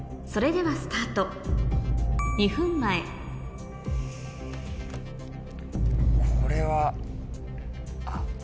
それではスタート２分前あっ。